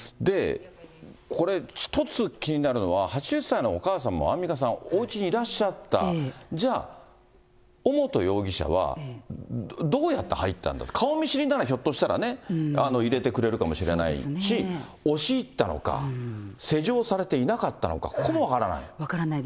これ、一つ気になるのは、８０歳のお母さんも、アンミカさん、おうちにいらっしゃった、じゃあ、尾本容疑者は、どうやって入ったんだと、顔見知りならひょっとしたらね、入れてくれるかもしれないし、押し入ったのか、施錠されてなかったのか、ここも分からない。